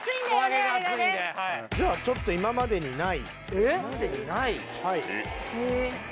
じゃあちょっと今までにない。